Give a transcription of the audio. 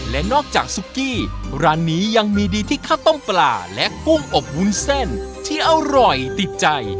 และนอกจากซุกี้ร้านนี้ยังมีดีที่ข้าวต้มปลาและกุ้งอบวุ้นเส้นที่อร่อยติดใจ